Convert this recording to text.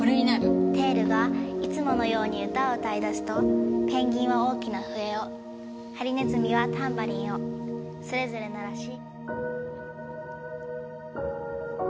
「テールがいつものように歌を歌い出すとペンギンは大きな笛をハリネズミはタンバリンをそれぞれ鳴らし」